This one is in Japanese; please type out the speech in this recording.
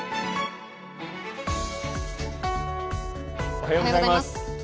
おはようございます。